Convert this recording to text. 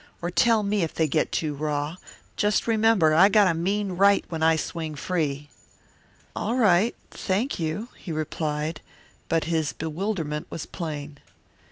Or tell me if they get too raw. Just remember I got a mean right when I swing free." "All right, thank you," he replied, but his bewilderment was plain.